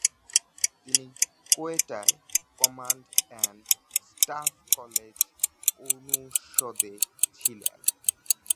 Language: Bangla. তিনি কোয়েটায় কমান্ড অ্যান্ড স্টাফ কলেজ অনুষদে ছিলেন।